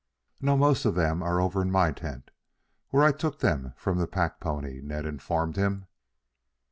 "No, most of them are over in my tent, where I took them from the pack pony," Ned informed him.